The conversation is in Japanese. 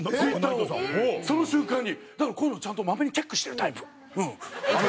だからこういうのちゃんとマメにチェックしてるタイプ。